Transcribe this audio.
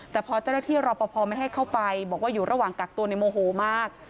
แต่พอเจ้าหน้าที่รอปภไม่ให้เข้าไปบอกว่าอยู่ระหว่างกักตัวในโมโหมาก